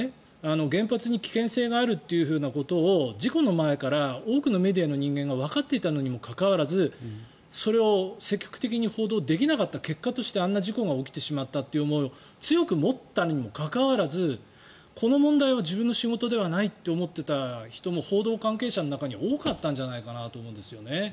原発に危険性があるということを事故の前から多くのメディアの人間がわかっていたにもかかわらずそれを積極的に報道できなかった結果としてあんな事故が起きてしまったという思いを強く持ったにもかかわらずこの問題は自分の仕事ではないと思っていた人も報道関係者の中には多かったんじゃないかなと思うんですよね。